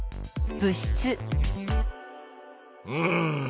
うん。